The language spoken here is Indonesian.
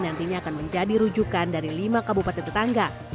nantinya akan menjadi rujukan dari lima kabupaten tetangga